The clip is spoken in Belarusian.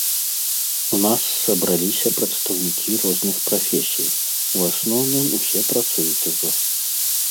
У нас сабраліся прадстаўнікі розных прафесій, у асноўным усе працуюць ужо.